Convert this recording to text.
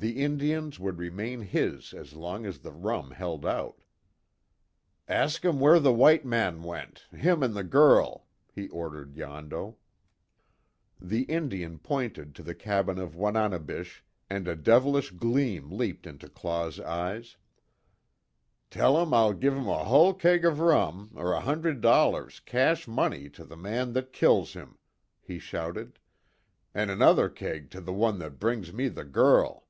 The Indians would remain his as long as the rum held out. "Ask 'em where the white man went him an' the girl," he ordered Yondo. The Indian pointed to the cabin of Wananebish, and a devilish gleam leaped into Claw's eyes: "Tell 'em I'll give a hull keg of rum, er a hundred dollars, cash money to the man that kills him!" he shouted, "an' another keg to the one that brings me the girl!"